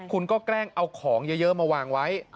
คุณก็แกล้งเอาของเยอะมาวางไว้